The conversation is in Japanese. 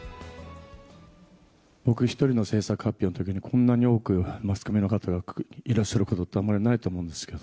僕１人の製作発表のときに、こんなに多くマスコミの方がいらっしゃることってあんまりないと思うんですけど。